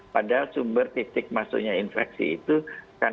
padahal sumber titik masuknya infeksi itu tidak berguna